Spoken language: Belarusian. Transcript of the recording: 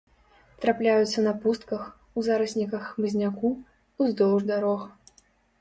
Трапляюцца на пустках, у зарасніках хмызняку, уздоўж дарог.